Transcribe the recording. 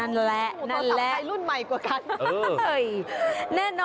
ของใครรุ่นใหม่กว่ากัน